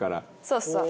そうそう。